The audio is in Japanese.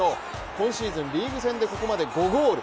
今シーズン、リーグ戦でここまで５ゴール。